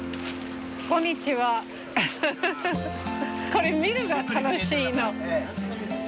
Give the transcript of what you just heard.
これ見るのが楽しいの。